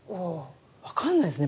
分かんないですよね